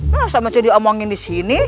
nah sama cedih omongin disini